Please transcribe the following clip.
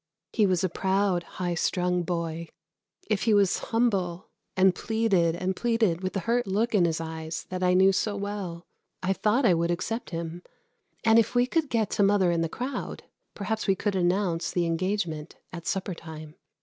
He was a proud, high strung boy. If he was humble, and pleaded and pleaded with the hurt look in his eyes that I knew so well, I thought I would accept him; and if we could get to mother in the crowd, perhaps we could announce the engagement at supper time.